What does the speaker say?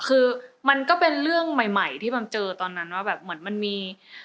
คือมันก็เป็นเรื่องใหม่ที่มันเจอตอนนั้นว่าแบบเหมือนมันมี